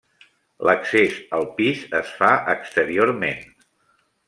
L'accés al pis es fa exteriorment.